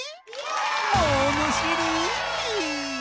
ものしり！